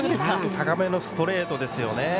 高めのストレートですね。